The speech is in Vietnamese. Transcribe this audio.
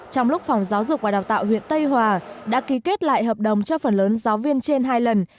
trong lúc phòng giáo dục và đào tạo huyện tây hòa đã ký kết lại hợp đồng cho phần lớn giáo viên trên hai lần